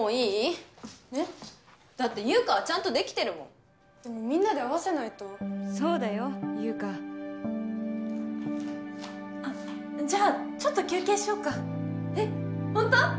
えっ？だって優佳はちゃんとできてるもんでもみんなで合わせないとそうだよ優佳あっじゃあちょっと休憩しようかえっほんと？